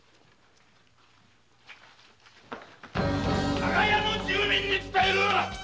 長屋の住人に伝える！